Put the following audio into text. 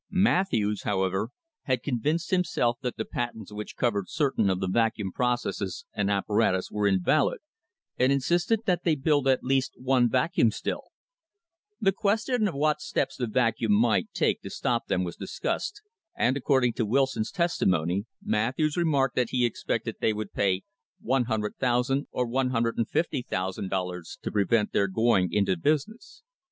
Matthews, however, had convinced himself that the patents which covered certain of the Vacuum processes and apparatus were invalid, and insisted that they build at THE BUFFALO CASE least one Vacuum still. The question of what steps the Vacuum might take to stop them was discussed, and according to Wil son's testimony Matthews remarked that he expected they would pay $100,000 or $150,000 to prevent their going into business.